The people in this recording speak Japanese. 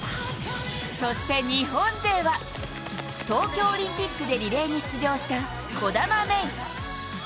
そして日本勢は東京オリンピックでリレーに出場した兒玉芽生。